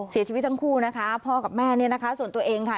เสียชีวิตทั้งคู่นะคะพ่อกับแม่เนี่ยนะคะส่วนตัวเองค่ะ